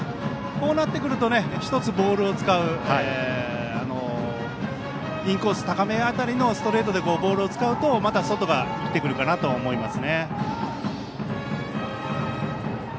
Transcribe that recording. こうなってくると１つボールを使うインコース高め辺りのストレートでボールを使うと、また外が生きてくるかなと思います。